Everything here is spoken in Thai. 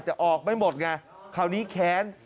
แต่ออกไม่หมดไงคราวนี้แค้น